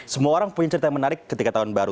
semua orang punya cerita yang menarik ketika tahun baru